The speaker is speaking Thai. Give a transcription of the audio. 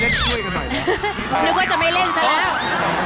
นึกว่าจะไม่เล่นซะแล้ว